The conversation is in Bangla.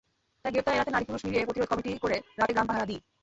তাই গ্রেপ্তার এড়াতে নারী-পুরুষ মিলিয়ে প্রতিরোধ কমিটি করে রাতে গ্রাম পাহারা দিই।